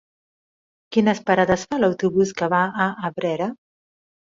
Quines parades fa l'autobús que va a Abrera?